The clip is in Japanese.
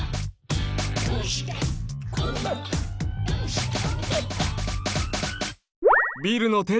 「どうして？